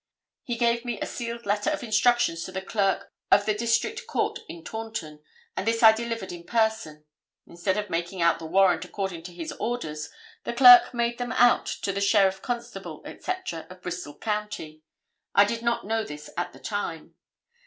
He gave me a sealed letter of instructions to the clerk of the District Court in Taunton, and this I delivered in person. Instead of making out the warrant according to his orders, the clerk made them out to the Sheriff Constable, etc., of Bristol County. I did not know this at the time.